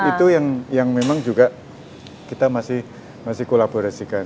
itu yang memang juga kita masih kolaborasikan